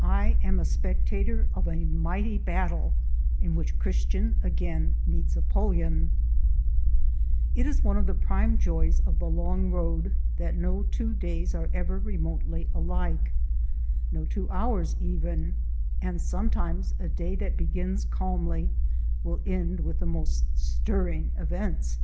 I AM THE SPECTATOR OF A MIGHTY BATTLE, IN WHICH CHRISTIAN MEETS APPOLLYON It is one of the prime joys of the long road that no two days are ever remotely alike no two hours even; and sometimes a day that begins calmly will end with the most stirring events.